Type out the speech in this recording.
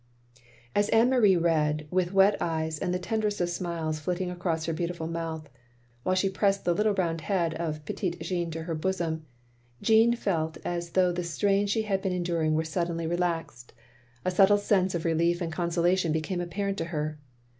As Anne Marie read, with wet eyes, and the tenderest of smiles flitting across her beautiful mouth, while she pressed the little round head of petit Jean to her bosom, — ^Jeanne felt as though the strain she had been enduring were suddenly OP GROSVENOR SQUARE 337 relaxed; a subtle sense of relief and consolation became apparent to her.